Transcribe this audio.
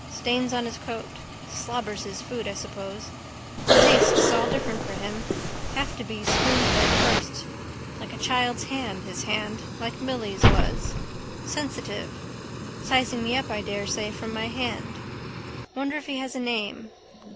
Stains on his coat. Slobbers his food, I suppose. Tastes all different for him. Have to be spoonfed first. Like a child's hand, his hand. Like Milly's was. Sensitive. Sizing me up I daresay from my hand. Wonder if he has a name.